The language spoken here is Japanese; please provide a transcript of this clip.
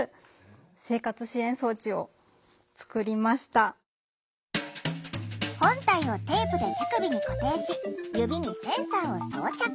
私は本体をテープで手首に固定し指にセンサーを装着。